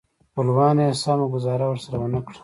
خپلوانو یې سمه ګوزاره ورسره ونه کړه.